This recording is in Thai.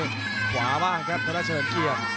กลางขวามาละครับครับภัดรัฐชะดำเกียจ